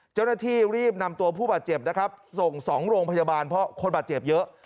เจ้าหน้าที่รีบนำตัวผู้บาดเจ็บนะครับส่ง๒โรงพยาบาลเพราะคนบาดเจ็บเยอะ